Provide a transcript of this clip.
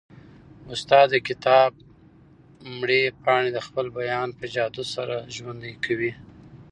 استاد د کتاب مړې پاڼې د خپل بیان په جادو سره ژوندۍ کوي.